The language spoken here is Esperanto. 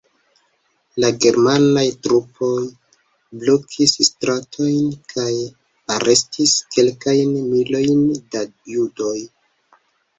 La germanaj trupoj blokis stratojn kaj arestis kelkajn milojn da judoj.